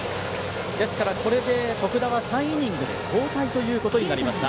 ですから、徳田は３イニングで交代ということになりました。